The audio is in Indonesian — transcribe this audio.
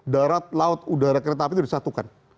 darat laut udara kereta api itu disatukan